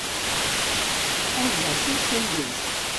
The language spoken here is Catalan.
Els ossos són durs.